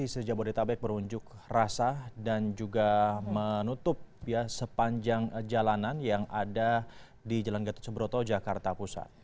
di jabodetabek berunjuk rasa dan juga menutup sepanjang jalanan yang ada di jalan gatot subroto jakarta pusat